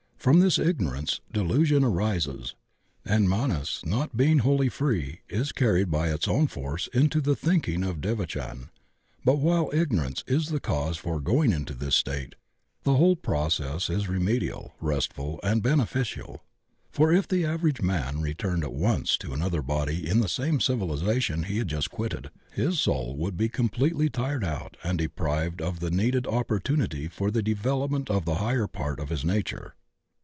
From this ignorance delusion arises, and Manas not being wholly free is carried by its own force into the thinking of devachan. But while igno rance is the cause for going into this state the whole process is remedial, restful, and beneficial. For if the average man returned at once to another body in the same civilization he had just quitted, his soul would be completely tired out and deprived of the needed opportunity for the development of the higher part of his nature.